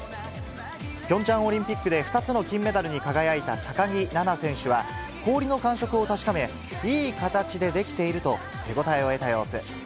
ピョンチャンオリンピックで２つの金メダルに輝いた高木菜那選手は、氷の感触を確かめ、いい形でできていると、手応えを得た様子。